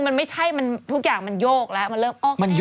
มันไม่ใช่ทุกอย่างมันโยกแล้วมันเริ่มโอเค